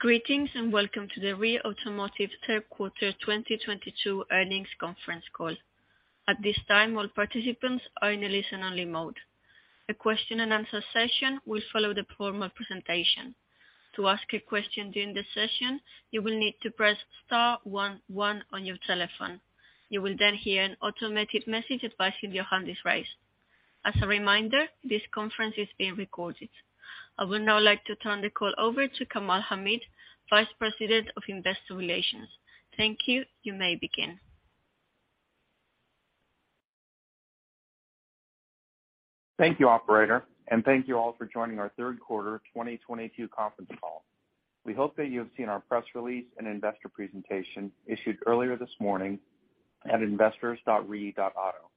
Greetings, and welcome to the REE Automotive third quarter 2022 earnings conference call. At this time, all participants are in a listen-only mode. A question and answer session will follow the formal presentation. To ask a question during the session, you will need to press star one one on your telephone. You will then hear an automated message advising you your hand is raised. As a reminder, this conference is being recorded. I would now like to turn the call over to Kamal Hamid, Vice President of Investor Relations. Thank you. You may begin. Thank you, operator, and thank you all for joining our third quarter 2022 conference call. We hope that you have seen our press release and investor presentation issued earlier this morning at investors.ree.auto.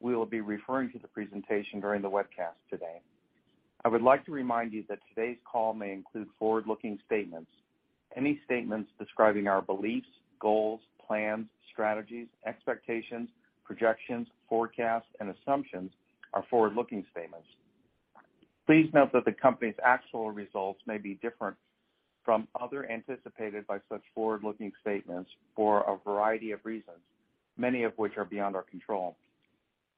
We will be referring to the presentation during the webcast today. I would like to remind you that today's call may include forward-looking statements. Any statements describing our beliefs, goals, plans, strategies, expectations, projections, forecasts, and assumptions are forward-looking statements. Please note that the company's actual results may be different from other anticipated by such forward-looking statements for a variety of reasons, many of which are beyond our control.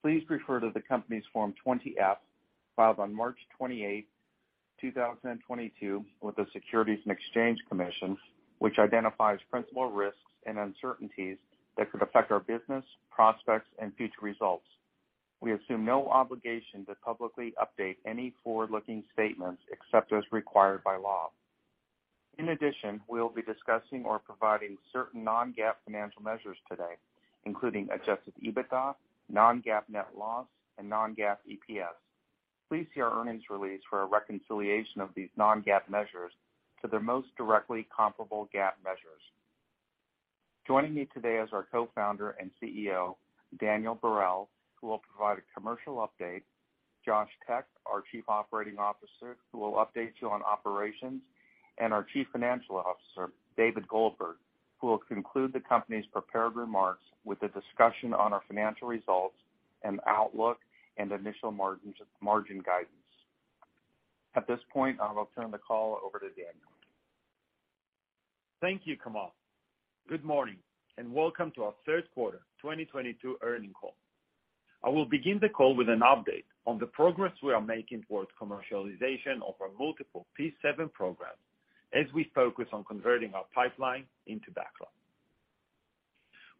Please refer to the company's Form 20-F filed on March 28, 2022 with the Securities and Exchange Commission, which identifies principal risks and uncertainties that could affect our business, prospects, and future results. We assume no obligation to publicly update any forward-looking statements except as required by law. In addition, we will be discussing or providing certain non-GAAP financial measures today, including adjusted EBITDA, non-GAAP net loss, and non-GAAP EPS. Please see our earnings release for a reconciliation of these non-GAAP measures to the most directly comparable GAAP measures. Joining me today is our Co-Founder and CEO, Daniel Barel, who will provide a commercial update, Josh Tech, our Chief Operating Officer, who will update you on operations, and our Chief Financial Officer, David Goldberg, who will conclude the company's prepared remarks with a discussion on our financial results and outlook and initial margins, margin guidance. At this point, I will turn the call over to Daniel. Thank you, Kamal. Good morning, and welcome to our third quarter 2022 earnings call. I will begin the call with an update on the progress we are making towards commercialization of our multiple P7 programs as we focus on converting our pipeline into backlog.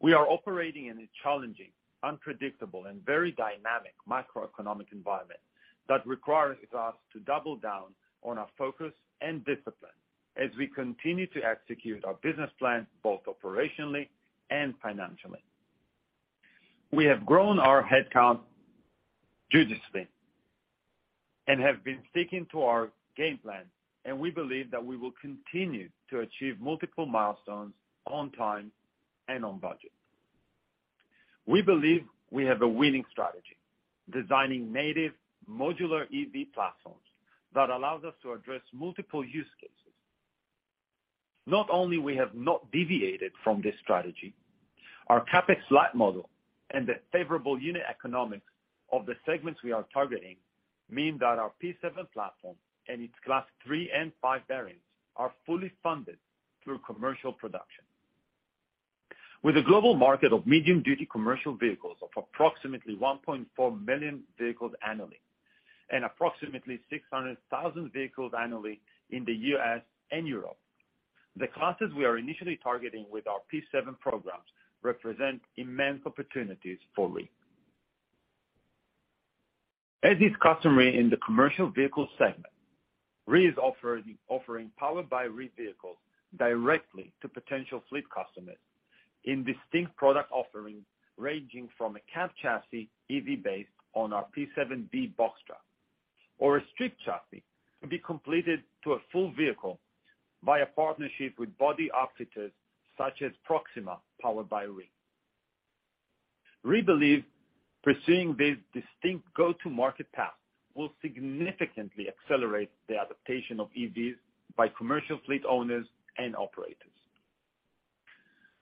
We are operating in a challenging, unpredictable, and very dynamic macroeconomic environment that requires us to double down on our focus and discipline as we continue to execute our business plan, both operationally and financially. We have grown our headcount judiciously and have been sticking to our game plan, and we believe that we will continue to achieve multiple milestones on time and on budget. We believe we have a winning strategy, designing native modular EV platforms that allows us to address multiple use cases. Not only we have not deviated from this strategy, our CapEx-light model and the favorable unit economics of the segments we are targeting mean that our P7 platform and its Class 3 and 5 variants are fully funded through commercial production. With a global market of medium-duty commercial vehicles of approximately 1.4 million vehicles annually and approximately 600,000 vehicles annually in the U.S. and Europe, the classes we are initially targeting with our P7 programs represent immense opportunities for REE. As is customary in the commercial vehicle segment, REE is offering Powered by REE vehicles directly to potential fleet customers in distinct product offerings, ranging from a cab chassis EV based on our P7-B box truck or a stripped chassis to be completed to a full vehicle by a partnership with body outfitters such as Proxima Powered by REE. REE believes pursuing this distinct go-to-market path will significantly accelerate the adoption of EVs by commercial fleet owners and operators.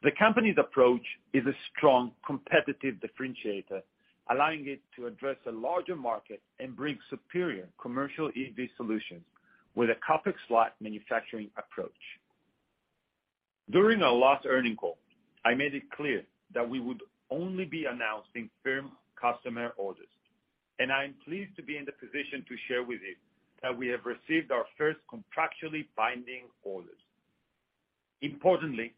The company's approach is a strong competitive differentiator, allowing it to address a larger market and bring superior commercial EV solutions with a CapEx-light manufacturing approach. During our last earnings call, I made it clear that we would only be announcing firm customer orders, and I am pleased to be in the position to share with you that we have received our first contractually binding orders. Importantly,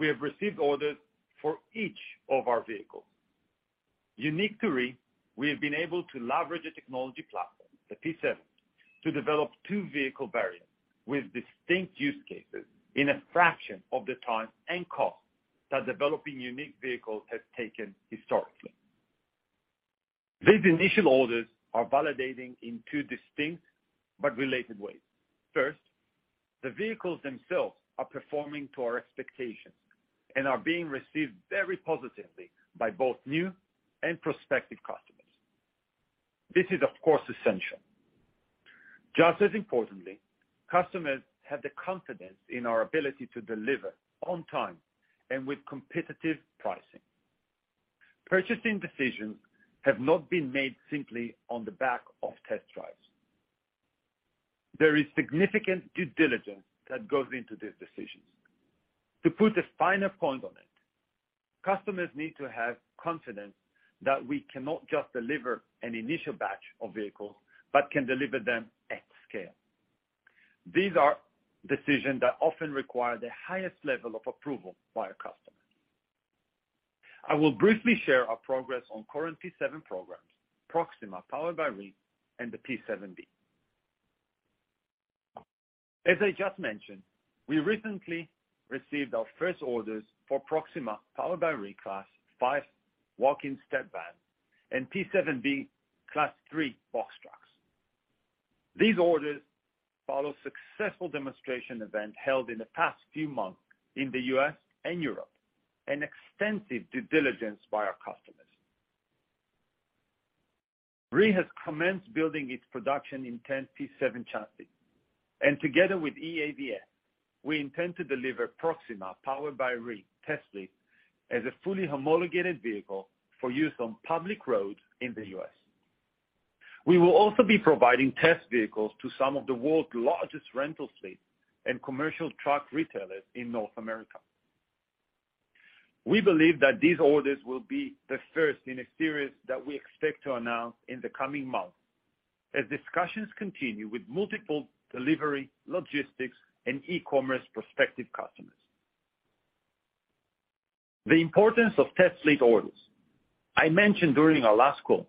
we have received orders for each of our vehicles. Unique to REE, we have been able to leverage a technology platform, the P7, to develop two vehicle variants with distinct use cases in a fraction of the time and cost that developing unique vehicles has taken historically. These initial orders are validating in two distinct but related ways. First, the vehicles themselves are performing to our expectations and are being received very positively by both new and prospective customers. This is of course, essential. Just as importantly, customers have the confidence in our ability to deliver on time and with competitive pricing. Purchasing decisions have not been made simply on the back of test drives. There is significant due diligence that goes into these decisions. To put the finer points on it, customers need to have confidence that we cannot just deliver an initial batch of vehicles, but can deliver them at scale. These are decisions that often require the highest level of approval by a customer. I will briefly share our progress on current P7 programs, Proxima Powered by REE, and the P7-B. As I just mentioned, we recently received our first orders for Proxima Powered by REE Class 5 walk-in step vans and P7-B Class 3 box trucks. These orders follow successful demonstration event held in the past few months in the U.S. and Europe, and extensive due diligence by our customers. REE has commenced building its production intent P7 chassis, and together with EAVX, we intend to deliver Proxima Powered by REE test fleets as a fully homologated vehicle for use on public roads in the U.S. We will also be providing test vehicles to some of the world's largest rental fleets and commercial truck retailers in North America. We believe that these orders will be the first in a series that we expect to announce in the coming months as discussions continue with multiple delivery, logistics, and e-commerce prospective customers. The importance of test fleet orders. I mentioned during our last call,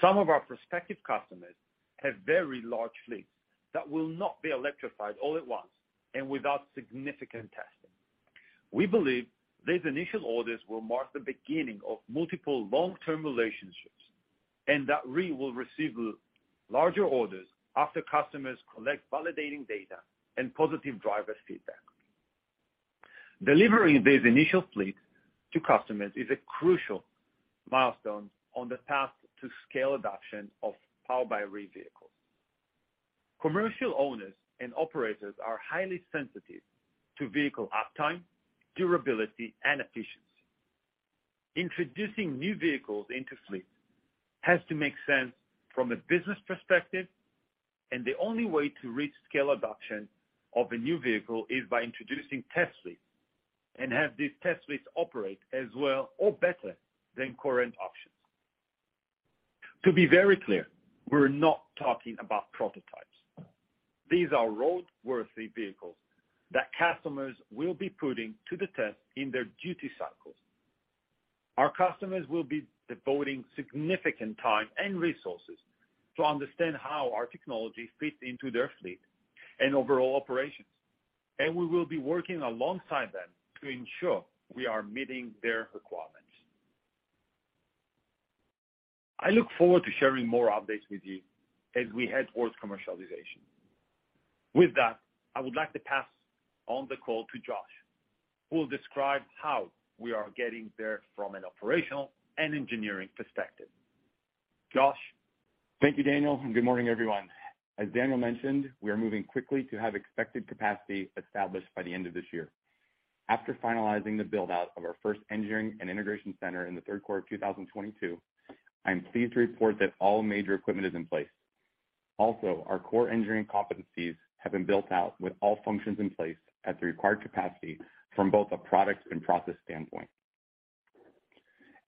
some of our prospective customers have very large fleets that will not be electrified all at once and without significant testing. We believe these initial orders will mark the beginning of multiple long-term relationships, and that REE will receive larger orders after customers collect validating data and positive driver feedback. Delivering these initial fleets to customers is a crucial milestone on the path to scale adoption of Powered by REE vehicles. Commercial owners and operators are highly sensitive to vehicle uptime, durability, and efficiency. Introducing new vehicles into fleet has to make sense from a business perspective, and the only way to reach scale adoption of a new vehicle is by introducing test fleets and have these test fleets operate as well or better than current options. To be very clear, we're not talking about prototypes. These are roadworthy vehicles that customers will be putting to the test in their duty cycles. Our customers will be devoting significant time and resources to understand how our technology fits into their fleet and overall operations, and we will be working alongside them to ensure we are meeting their requirements. I look forward to sharing more updates with you as we head towards commercialization. With that, I would like to pass on the call to Josh, who will describe how we are getting there from an operational and engineering perspective. Josh? Thank you, Daniel, and good morning, everyone. As Daniel mentioned, we are moving quickly to have expected capacity established by the end of this year. After finalizing the build-out of our first engineering and integration center in the third quarter of 2022, I am pleased to report that all major equipment is in place. Also, our core engineering competencies have been built out with all functions in place at the required capacity from both a product and process standpoint.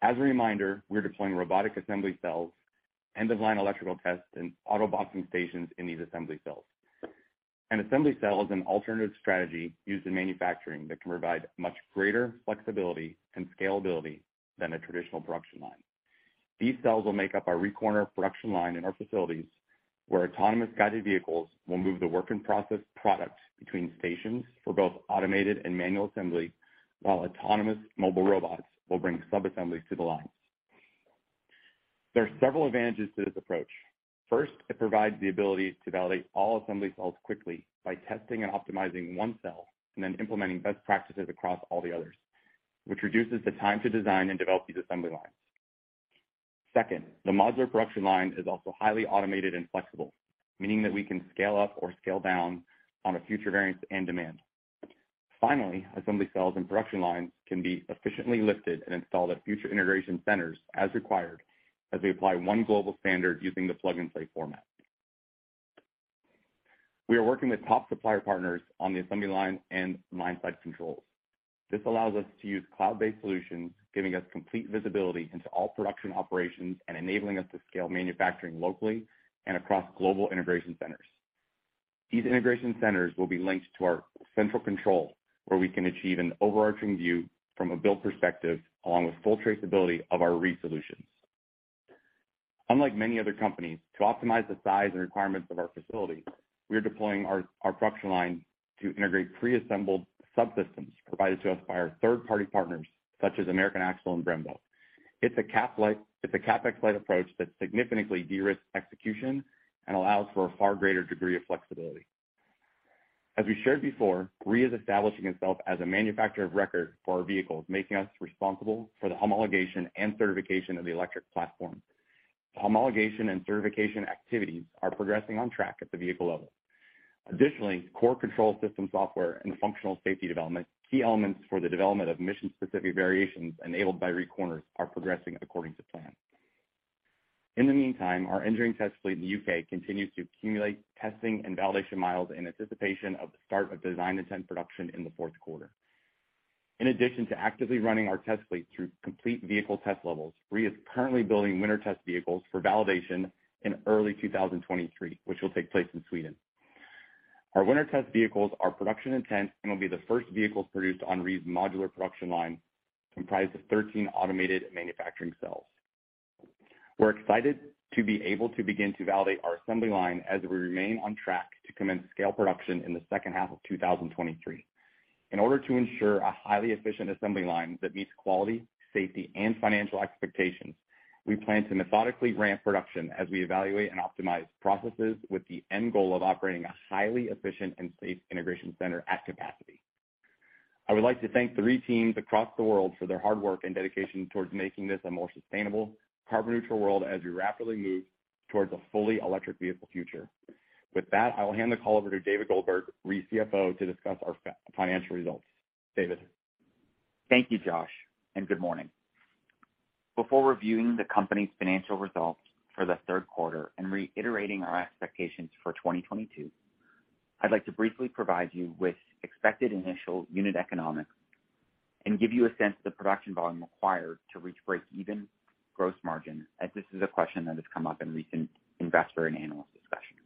As a reminder, we're deploying robotic assembly cells, end-of-line electrical tests, and auto boxing stations in these assembly cells. An assembly cell is an alternative strategy used in manufacturing that can provide much greater flexibility and scalability than a traditional production line. These cells will make up our REEcorner production line in our facilities, where autonomous guided vehicles will move the work in process products between stations for both automated and manual assembly, while autonomous mobile robots will bring sub-assemblies to the line. There are several advantages to this approach. First, it provides the ability to validate all assembly cells quickly by testing and optimizing one cell and then implementing best practices across all the others, which reduces the time to design and develop these assembly lines. Second, the modular production line is also highly automated and flexible, meaning that we can scale up or scale down on a future variance and demand. Finally, assembly cells and production lines can be efficiently lifted and installed at future integration centers as required as we apply one global standard using the plug-and-play format. We are working with top supplier partners on the assembly line and line side controls. This allows us to use cloud-based solutions, giving us complete visibility into all production operations and enabling us to scale manufacturing locally and across global integration centers. These integration centers will be linked to our central control, where we can achieve an overarching view from a build perspective, along with full traceability of our REE solutions. Unlike many other companies, to optimize the size and requirements of our facilities, we are deploying our production line to integrate preassembled subsystems provided to us by our third-party partners, such as American Axle & Manufacturing and Brembo. It's a CapEx-light approach that significantly de-risks execution and allows for a far greater degree of flexibility. As we shared before, REE is establishing itself as a manufacturer of record for our vehicles, making us responsible for the homologation and certification of the electric platform. The homologation and certification activities are progressing on track at the vehicle level. Additionally, core control system software and functional safety development, key elements for the development of mission-specific variations enabled by REEcorner are progressing according to plan. In the meantime, our engineering test fleet in the U.K. continues to accumulate testing and validation miles in anticipation of the start of design intent production in the fourth quarter. In addition to actively running our test fleet through complete vehicle test levels, REE is currently building winter test vehicles for validation in early 2023, which will take place in Sweden. Our winter test vehicles are production intent and will be the first vehicles produced on REE's modular production line, comprised of 13 automated manufacturing cells. We're excited to be able to begin to validate our assembly line as we remain on track to commence scale production in the second half of 2023. In order to ensure a highly efficient assembly line that meets quality, safety, and financial expectations, we plan to methodically ramp production as we evaluate and optimize processes with the end goal of operating a highly efficient and safe integration center at capacity. I would like to thank the REE teams across the world for their hard work and dedication towards making this a more sustainable, carbon neutral world as we rapidly move towards a fully electric vehicle future. With that, I will hand the call over to David Goldberg, REE CFO, to discuss our financial results. David? Thank you, Josh, and good morning. Before reviewing the company's financial results for the third quarter and reiterating our expectations for 2022, I'd like to briefly provide you with expected initial unit economics and give you a sense of the production volume required to reach break-even gross margin as this is a question that has come up in recent investor and analyst discussions.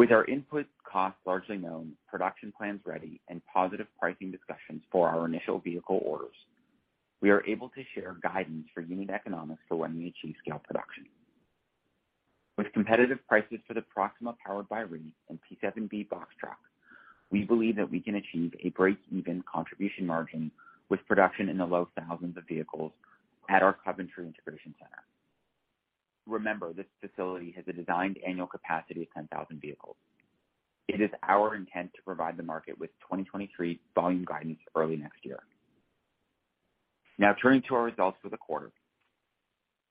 With our input costs largely known, production plans ready, and positive pricing discussions for our initial vehicle orders, we are able to share guidance for unit economics for when we achieve scale production. With competitive prices for the Proxima Powered by REE and P7-B box truck, we believe that we can achieve a break-even contribution margin with production in the low thousands of vehicles at our Coventry integration center. Remember, this facility has a designed annual capacity of 10,000 vehicles. It is our intent to provide the market with 2023 volume guidance early next year. Now turning to our results for the quarter.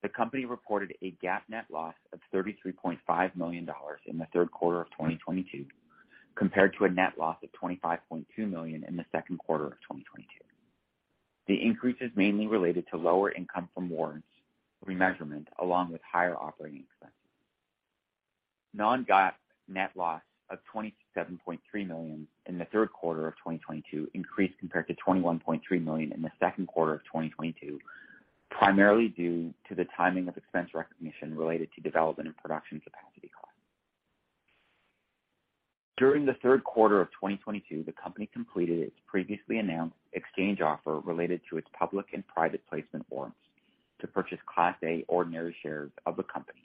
The company reported a GAAP net loss of $33.5 million in the third quarter of 2022 compared to a net loss of $25.2 million in the second quarter of 2022. The increase is mainly related to lower income from warrants re-measurement along with higher operating expenses. Non-GAAP net loss of $27.3 million in the third quarter of 2022 increased compared to $21.3 million in the second quarter of 2022, primarily due to the timing of expense recognition related to development and production capacity costs. During the third quarter of 2022, the company completed its previously announced exchange offer related to its public and private placement warrants to purchase Class A ordinary shares of the company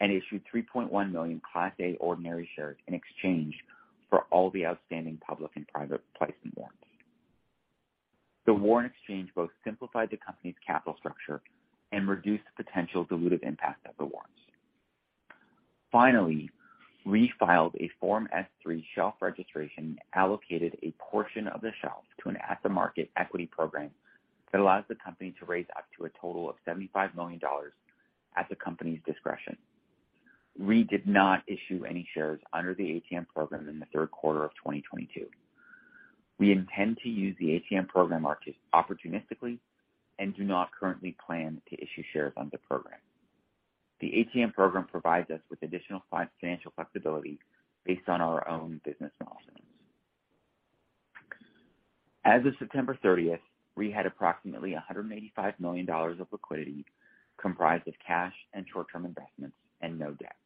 and issued 3.1 million Class A ordinary shares in exchange for all the outstanding public and private placement warrants. The warrant exchange both simplified the company's capital structure and reduced the potential dilutive impact of the warrants. Finally, REE filed a Form S-3 shelf registration and allocated a portion of the shelf to an at-the-market equity program that allows the company to raise up to a total of $75 million at the company's discretion. REE did not issue any shares under the ATM program in the third quarter of 2022. We intend to use the ATM program market opportunistically and do not currently plan to issue shares on the program. The ATM program provides us with additional financial flexibility based on our own business milestones. As of September thirtieth, REE had approximately $185 million of liquidity, comprised of cash and short-term investments and no debt.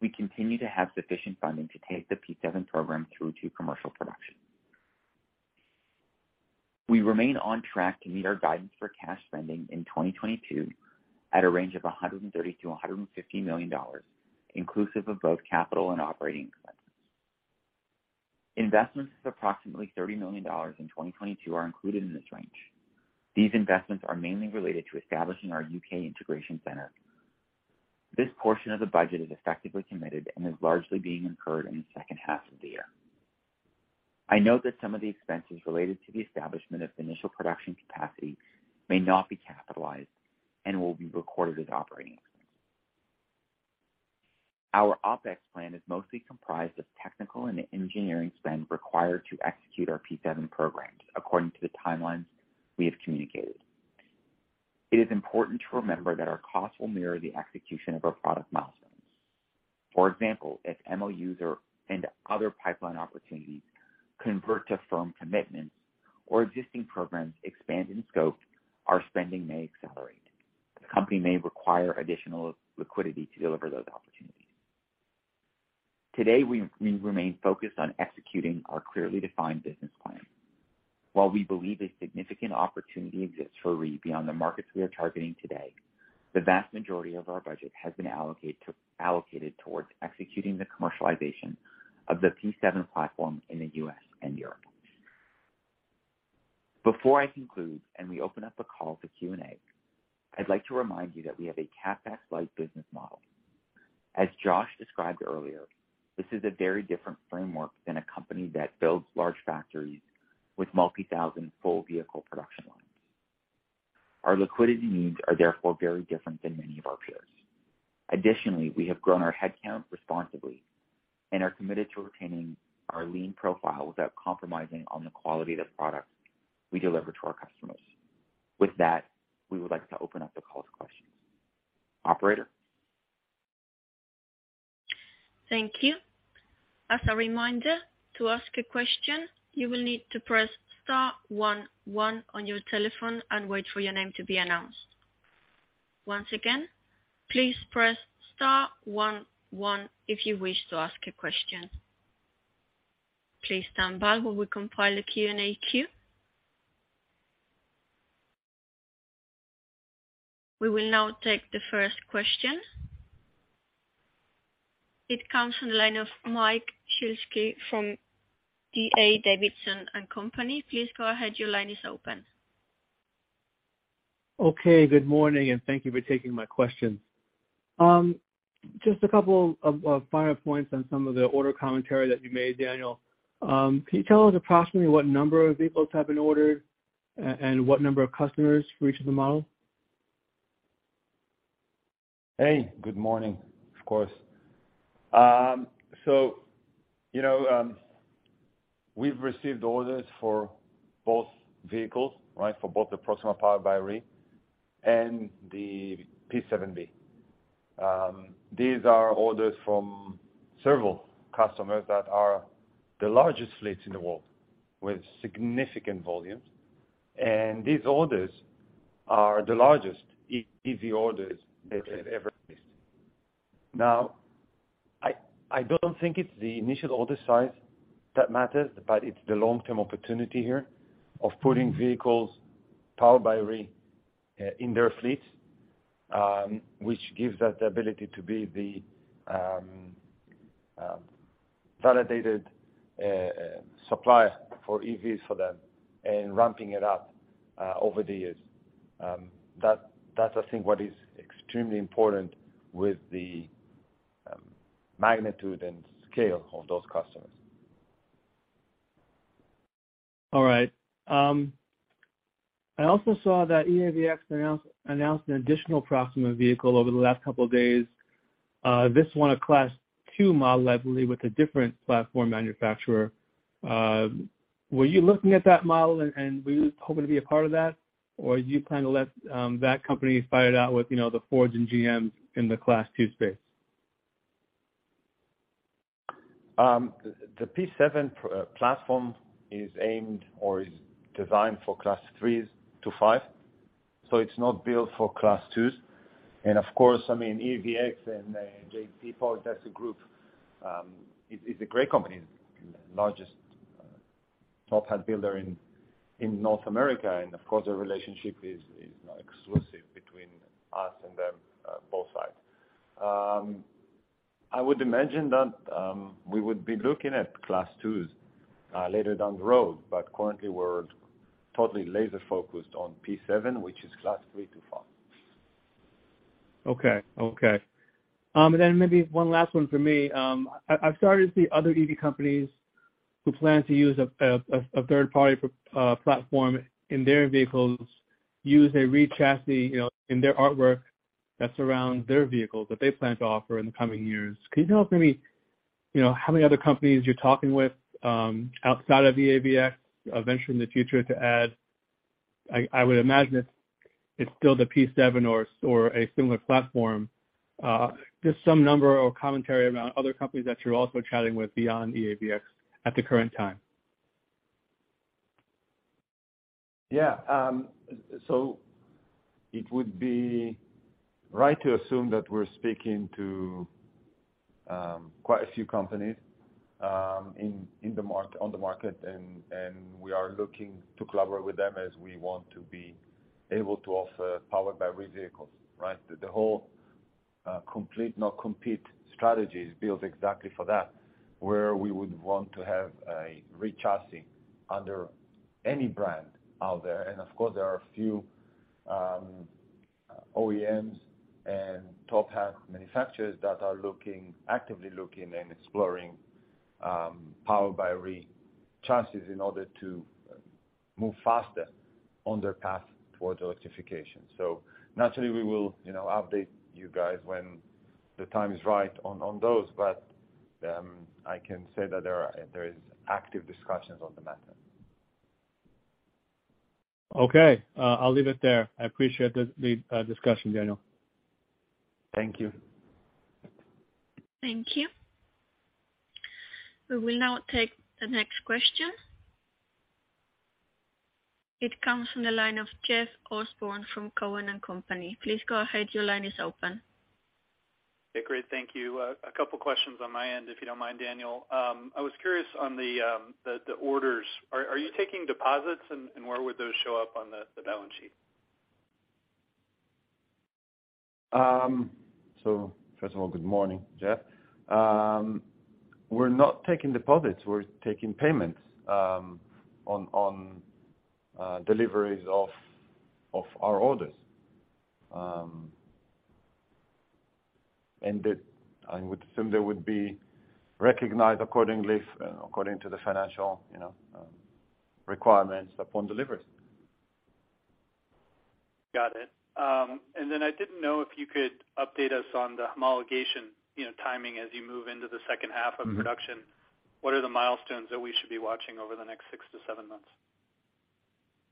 We continue to have sufficient funding to take the P7 program through to commercial production. We remain on track to meet our guidance for cash spending in 2022 at a range of $130-$150 million, inclusive of both capital and operating expenses. Investments of approximately $30 million in 2022 are included in this range. These investments are mainly related to establishing our UK integration center. This portion of the budget is effectively committed and is largely being incurred in the second half of the year. I note that some of the expenses related to the establishment of initial production capacity may not be capitalized and will be recorded as operating expenses. Our OpEx plan is mostly comprised of technical and engineering spend required to execute our P7 programs according to the timelines we have communicated. It is important to remember that our costs will mirror the execution of our product milestones. For example, if Mouser and other pipeline opportunities convert to firm commitments or existing programs expand in scope, our spending may accelerate. The company may require additional liquidity to deliver those opportunities. Today, we remain focused on executing our clearly defined business plan. While we believe a significant opportunity exists for REE beyond the markets we are targeting today, the vast majority of our budget has been allocated towards executing the commercialization of the P7 platform in the U.S. and Europe. Before I conclude, and we open up the call to Q&A, I'd like to remind you that we have a CapEx-light business model. As Josh described earlier, this is a very different framework than a company that builds large factories with multi-thousand full vehicle production lines. Our liquidity needs are therefore very different than many of our peers. Additionally, we have grown our headcount responsibly and are committed to retaining our lean profile without compromising on the quality of the product we deliver to our customers. With that, we would like to open up the call to questions. Operator? Thank you. As a reminder, to ask a question, you will need to press star one one on your telephone and wait for your name to be announced. Once again, please press star one one if you wish to ask a question. Please stand by while we compile a Q&A queue. We will now take the first question. It comes from the line of Mike Shlisky from D.A. Davidson & Co. Please go ahead. Your line is open. Okay. Good morning, and thank you for taking my question. Just a couple of follow-up points on some of the order commentary that you made, Daniel. Can you tell us approximately what number of vehicles have been ordered and what number of customers for each of the models? Hey, good morning, of course. So, you know, we've received orders for both vehicles, right? For both the Proxima Powered by REE and the P7-B. These are orders from several customers that are the largest fleets in the world with significant volumes, and these orders are the largest EV orders they have ever placed. Now, I don't think it's the initial order size that matters, but it's the long-term opportunity here of putting vehicles Powered by REE in their fleets, which gives us the ability to be the validated supplier for EVs for them and ramping it up over the years. That's I think what is extremely important with the magnitude and scale of those customers. All right. I also saw that EAVX announced an additional Proxima vehicle over the last couple days, this one a Class 2 model, I believe, with a different platform manufacturer. Were you looking at that model and were you hoping to be a part of that, or do you plan to let that company fight it out with, you know, the Fords and GMs in the Class 2 space? The P7 platform is aimed or is designed for Class 3s to 5, so it's not built for Class 2s. Of course, I mean, EAVX and Morgan Olson, that's a group, it's a great company, largest top hat builder in North America. Of course the relationship is not exclusive between us and them, both sides. I would imagine that we would be looking at Class 2s later down the road, but currently we're totally laser focused on P7, which is Class 3 to 5. Okay. Maybe one last one for me. I've started to see other EV companies who plan to use a third party platform in their vehicles, use a REE chassis, you know, in their artwork that's around their vehicles that they plan to offer in the coming years. Can you tell us maybe, you know, how many other companies you're talking with outside of EAVX eventually in the future to add? I would imagine it's still the P7 or a similar platform. Just some number or commentary around other companies that you're also chatting with beyond EAVX at the current time. Yeah. So it would be right to assume that we're speaking to quite a few companies in the market, and we are looking to collaborate with them as we want to be able to offer Powered by REE vehicles, right? The whole complete non-compete strategy is built exactly for that, where we would want to have a REE chassis under any brand out there. Of course, there are a few OEMs and top hat manufacturers that are actively looking and exploring Powered by REE chassis in order to move faster on their path towards electrification. Naturally we will, you know, update you guys when the time is right on those. I can say that there are active discussions on the matter. Okay. I'll leave it there. I appreciate the discussion, Daniel. Thank you. Thank you. We will now take the next question. It comes from the line of Jeff Osborne from Cowen and Company. Please go ahead. Your line is open. Yeah. Great. Thank you. A couple questions on my end, if you don't mind, Daniel. I was curious on the orders. Are you taking deposits, and where would those show up on the balance sheet? Good morning, Jeff. We're not taking deposits. We're taking payments on deliveries of our orders. It, I would assume they would be recognized accordingly according to the financial, you know, requirements upon delivery. Got it. I didn't know if you could update us on the homologation, you know, timing as you move into the second half. Mm-hmm. Of production. What are the milestones that we should be watching over the next 6-7 months?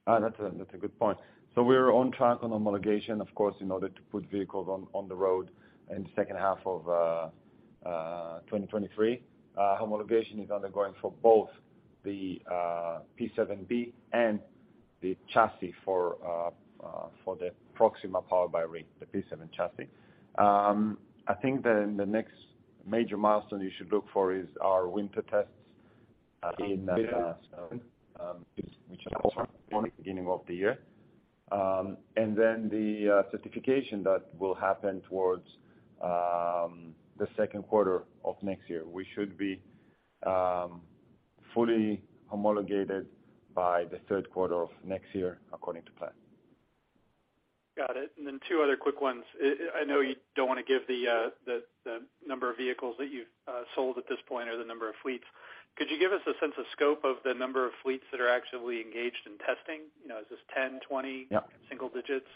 That's a good point. We're on track on homologation, of course, in order to put vehicles on the road in the second half of 2023. Homologation is undergoing for both the P7-B and the chassis for the Proxima Powered by REE, the P7 chassis. I think the next major milestone you should look for is our winter tests, which is also at the beginning of the year. The certification that will happen towards the second quarter of next year. We should be fully homologated by the third quarter of next year, according to plan. Got it. Two other quick ones. I know you don't wanna give the number of vehicles that you've sold at this point or the number of fleets. Could you give us a sense of scope of the number of fleets that are actively engaged in testing? You know, is this 10, 20? Yeah. Single digits?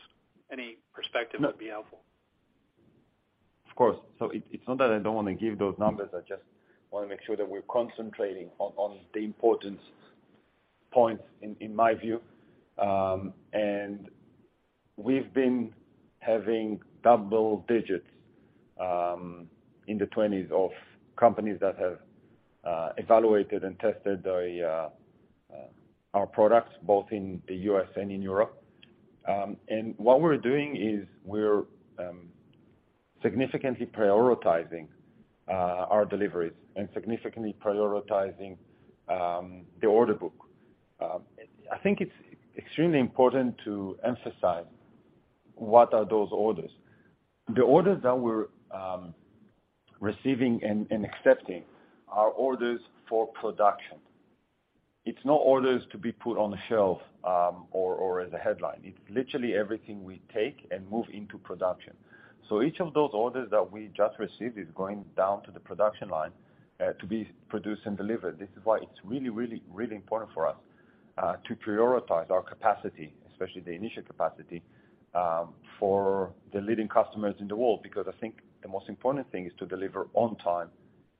Any perspective would be helpful. Of course. It's not that I don't wanna give those numbers. I just wanna make sure that we're concentrating on the important points in my view. We've been having double digits in the twenties of companies that have evaluated and tested our products, both in the U.S. and in Europe. What we're doing is we're significantly prioritizing our deliveries and significantly prioritizing the order book. I think it's extremely important to emphasize what are those orders. The orders that we're receiving and accepting are orders for production. It's not orders to be put on the shelf or as a headline. It's literally everything we take and move into production. Each of those orders that we just received is going down to the production line to be produced and delivered. This is why it's really important for us to prioritize our capacity, especially the initial capacity, for the leading customers in the world, because I think the most important thing is to deliver on time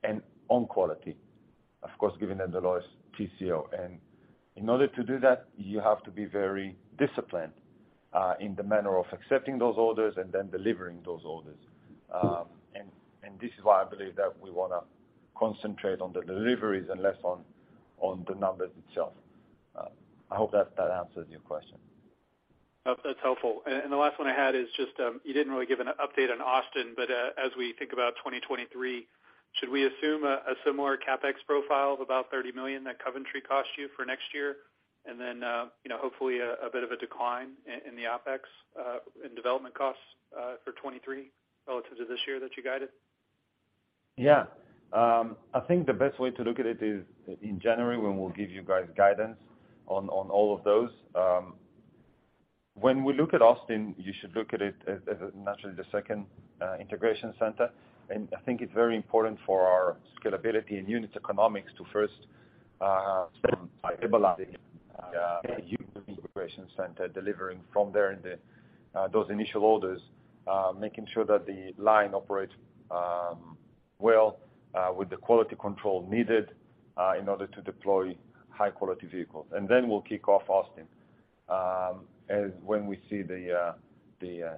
and on quality, of course, giving them the lowest TCO. In order to do that, you have to be very disciplined in the manner of accepting those orders and then delivering those orders. This is why I believe that we wanna concentrate on the deliveries and less on the numbers itself. I hope that answers your question. That's helpful. The last one I had is just, you didn't really give an update on Austin, but as we think about 2023, should we assume a similar CapEx profile of about $30 million that Coventry cost you for next year? Then, you know, hopefully a bit of a decline in the OpEx and development costs for 2023 relative to this year that you guided? Yeah. I think the best way to look at it is in January, when we'll give you guys guidance on all of those. When we look at Austin, you should look at it as naturally the second integration center. I think it's very important for our scalability and unit economics to first stabilize U.K. integration center, delivering from there in those initial orders, making sure that the line operates well with the quality control needed in order to deploy high quality vehicles. Then we'll kick off Austin as when we see the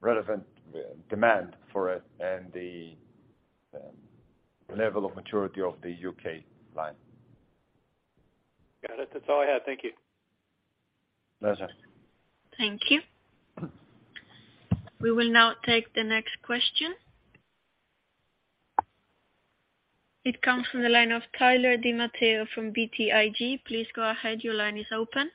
relevant demand for it and the level of maturity of the U.K. line. Got it. That's all I had. Thank you. Pleasure. Thank you. We will now take the next question. It comes from the line of Tyler DiMatteo from BTIG. Please go ahead. Your line is open.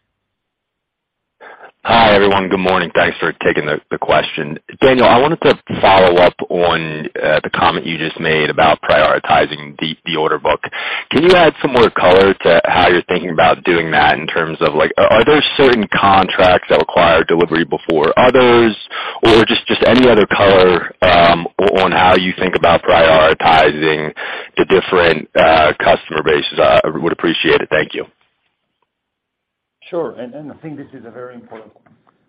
Hi, everyone. Good morning. Thanks for taking the question. Daniel, I wanted to follow up on the comment you just made about prioritizing the order book. Can you add some more color to how you're thinking about doing that in terms of like, are there certain contracts that require delivery before others? Or just any other color on how you think about prioritizing the different customer bases? I would appreciate it. Thank you. Sure. I think this is a very important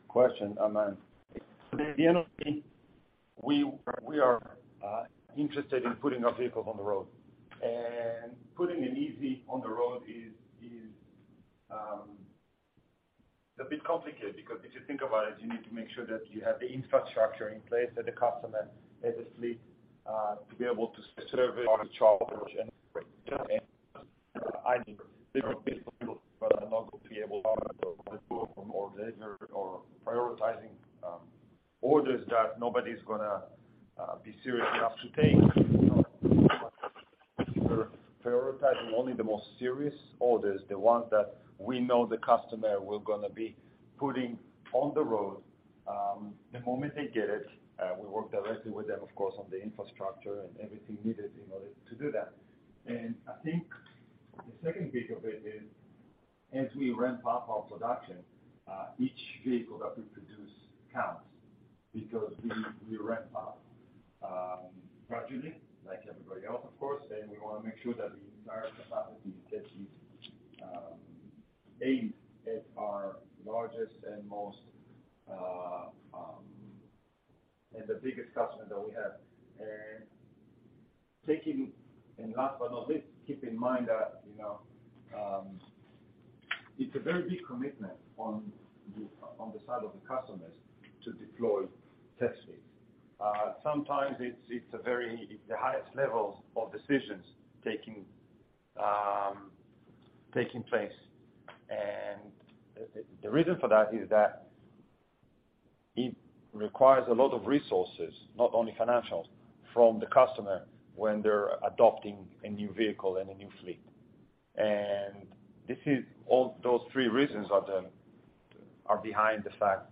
question, and at the end of the day, we are interested in putting our vehicles on the road. Putting an EV on the road is a bit complicated because if you think about it, you need to make sure that you have the infrastructure in place, that the customer has a fleet to be able to service, charge, and I mean, different pieces to the puzzle in order to be able to deliver or prioritizing orders that nobody's gonna be serious enough to take. You know, we're prioritizing only the most serious orders, the ones that we know the customer we're gonna be putting on the road the moment they get it. We work directly with them, of course, on the infrastructure and everything needed in order to do that. I think the second piece of it is as we ramp up our production, each vehicle that we produce counts because we ramp up gradually, like everybody else, of course. We wanna make sure that the entire capacity is actually aimed at our largest and most and the biggest customer that we have. Last but not least, keep in mind that, you know, it's a very big commitment on the side of the customers to deploy test fleets. Sometimes it's the highest levels of decisions taking place. The reason for that is that it requires a lot of resources, not only financials, from the customer when they're adopting a new vehicle and a new fleet. This is all those three reasons are behind the fact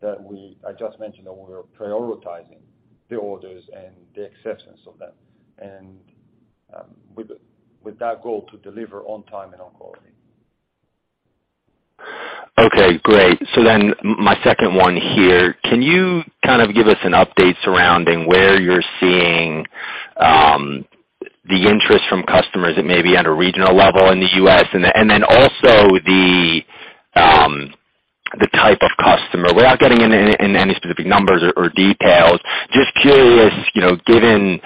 that I just mentioned that we're prioritizing the orders and the acceptance of them, and with that goal to deliver on time and on quality. Okay, great. My second one here, can you kind of give us an update surrounding where you're seeing the interest from customers that may be at a regional level in the U.S. and then also the type of customer? Without getting in any specific numbers or details, just curious, you know, given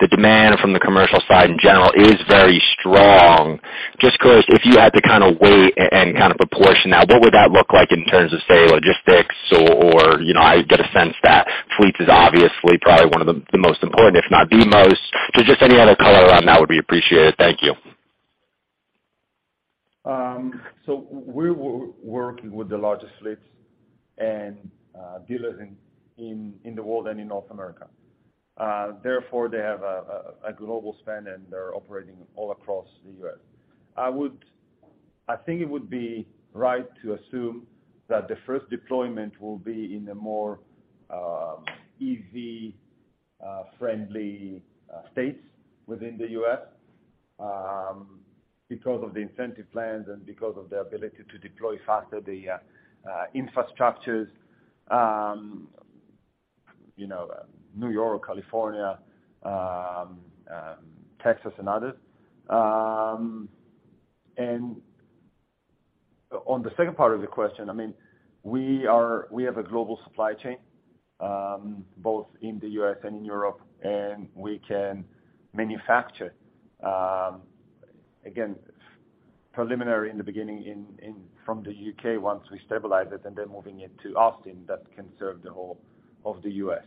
the demand from the commercial side in general is very strong. Just curious, if you had to kinda weigh and kinda proportion that, what would that look like in terms of, say, logistics or, you know, I get a sense that fleets is obviously probably one of the most important, if not the most. Just any other color around that would be appreciated. Thank you. We're working with the largest fleets and dealers in the world and in North America. Therefore, they have a global span, and they're operating all across the U.S. I think it would be right to assume that the first deployment will be in the more EV-friendly states within the U.S., because of the incentive plans and because of the ability to deploy faster the infrastructures, you know, New York, California, Texas, and others. On the second part of the question, I mean, we have a global supply chain, both in the U.S. and in Europe, and we can manufacture, again, preliminary in the beginning from the U.K. once we stabilize it, and then moving into Austin that can serve the whole of the U.S.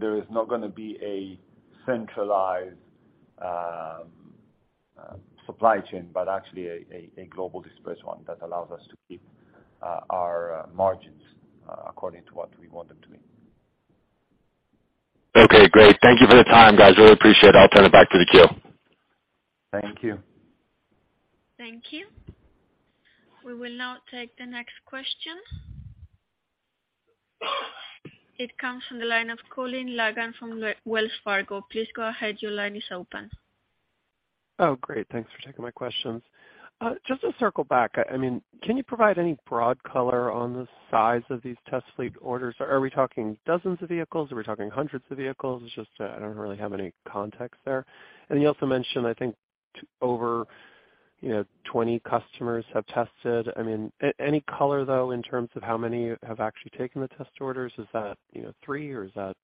There is not gonna be a centralized supply chain, but actually a global dispersed one that allows us to keep our margins according to what we want them to be. Okay, great. Thank you for the time, guys. Really appreciate it. I'll turn it back to the queue. Thank you. Thank you. We will now take the next question. It comes from the line of Colin Langan from Wells Fargo. Please go ahead. Your line is open. Oh, great. Thanks for taking my questions. Just to circle back, I mean, can you provide any broad color on the size of these test fleet orders? Are we talking dozens of vehicles? Are we talking hundreds of vehicles? It's just, I don't really have any context there. You also mentioned, I think over, you know, 20 customers have tested. I mean, any color though, in terms of how many have actually taken the test orders, is that, you know, three or is that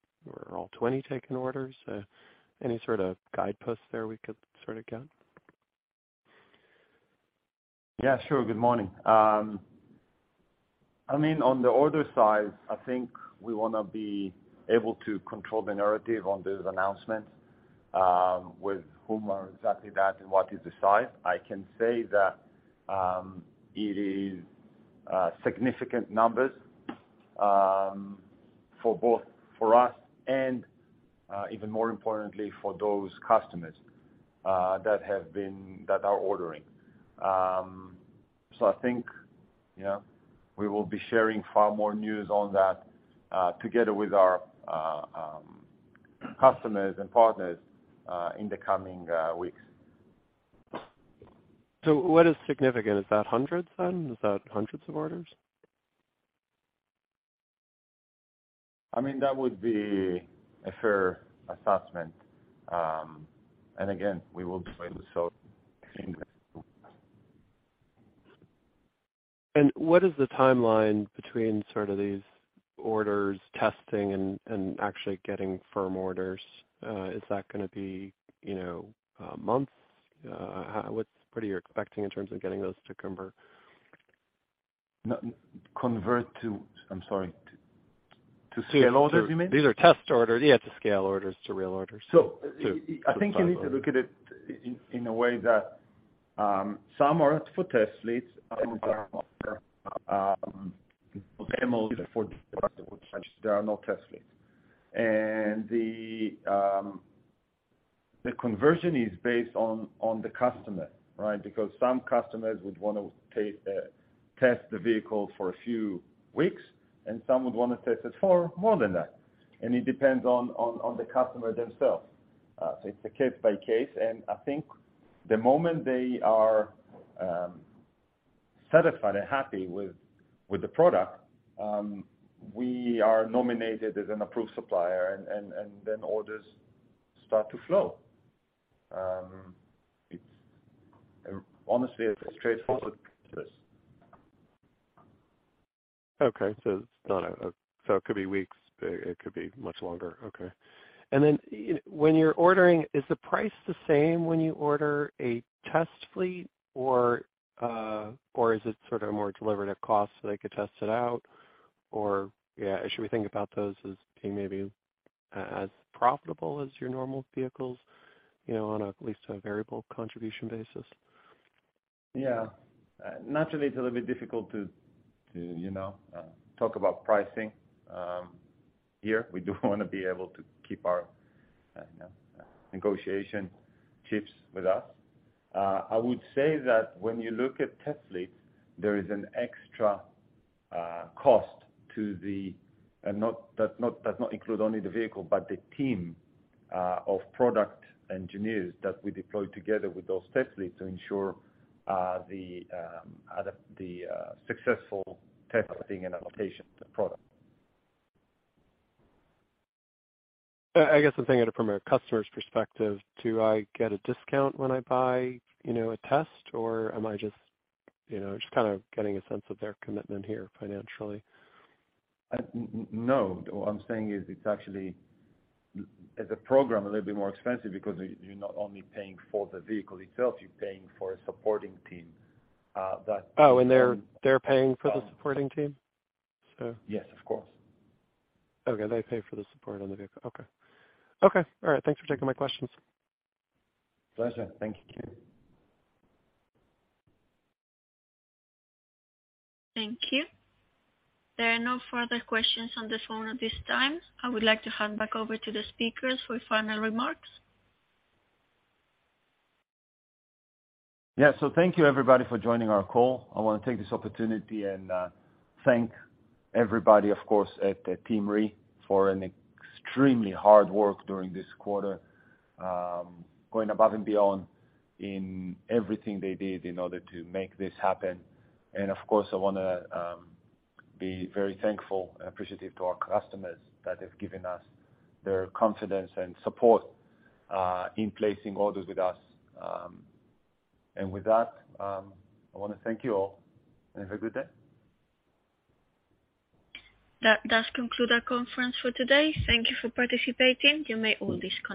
are all 20 taking orders? Any sort of guideposts there we could sort of get? Yeah, sure. Good morning. I mean, on the order side, I think we wanna be able to control the narrative on these announcements, with whom are exactly that and what is the size. I can say that it is significant numbers for both for us and even more importantly for those customers that are ordering. I think, yeah, we will be sharing far more news on that together with our customers and partners in the coming weeks. What is significant? Is that hundreds then? Is that hundreds of orders? I mean, that would be a fair assessment. Again, we will do it so. What is the timeline between sort of these orders testing and actually getting firm orders? Is that gonna be what are you expecting in terms of getting those to convert? I'm sorry. To scale orders, you mean? These are test orders. Yeah, to scale orders, to real orders. I think you need to look at it in a way that some are for test fleets, demos for their own test fleets. The conversion is based on the customer, right? Because some customers would wanna test the vehicle for a few weeks, and some would wanna test it for more than that. It depends on the customer themselves. It's a case by case, and I think the moment they are satisfied and happy with the product, we are nominated as an approved supplier and then orders start to flow. Honestly, it's a straightforward process. Okay. It could be weeks, it could be much longer. Okay. When you're ordering, is the price the same when you order a test fleet or is it sort of more deliberative cost so they could test it out? Yeah, should we think about those as being maybe as profitable as your normal vehicles, you know, on at least a variable contribution basis? Yeah. Naturally, it's a little bit difficult to you know talk about pricing here. We do wanna be able to keep our you know negotiation chips with us. I would say that when you look at test fleets, there is an extra cost to them, and it does not include only the vehicle, but the team of product engineers that we deploy together with those test fleets to ensure the successful testing and adaptation to the product. I guess I'm thinking from a customer's perspective, do I get a discount when I buy, you know, a test or am I just, you know, just kind of getting a sense of their commitment here financially? No. What I'm saying is it's actually, as a program, a little bit more expensive because you're not only paying for the vehicle itself, you're paying for a supporting team that- Oh, they're paying for the supporting team? Yes, of course. Okay. They pay for the support on the vehicle. Okay. Okay. All right. Thanks for taking my questions. Pleasure. Thank you. Thank you. There are no further questions on the phone at this time. I would like to hand back over to the speakers for final remarks. Yeah. Thank you everybody for joining our call. I wanna take this opportunity and thank everybody, of course, at Team REE for an extremely hard work during this quarter, going above and beyond in everything they did in order to make this happen. Of course, I wanna be very thankful and appreciative to our customers that have given us their confidence and support in placing orders with us. With that, I wanna thank you all and have a good day. That does conclude our conference for today. Thank you for participating. You may all disconnect.